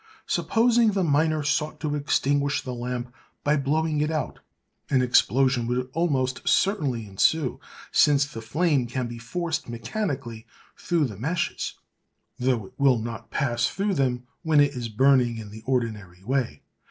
Supposing the miner sought to extinguish the lamp by blowing it out, an explosion would almost certainly ensue, since the flame can be forced mechanically through the meshes, though it will not pass through them when it is burning in the ordinary way.